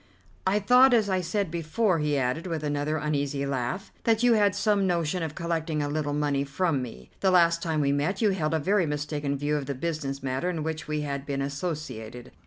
"I thought, as I said before," he added, with another uneasy laugh, "that you had some notion of collecting a little money from me. The last time we met you held a very mistaken view of the business matter in which we had been associated.